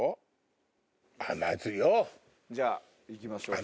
じゃあ行きましょうか。